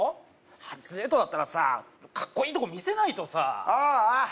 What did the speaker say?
初デートだったらさかっこいいとこ見せないとさああ